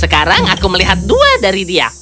sekarang aku melihat dua dari dia